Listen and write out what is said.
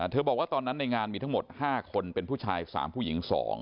บอกว่าตอนนั้นในงานมีทั้งหมด๕คนเป็นผู้ชาย๓ผู้หญิง๒